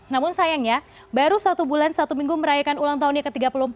namun sayangnya baru satu bulan satu minggu merayakan ulang tahunnya ke tiga puluh empat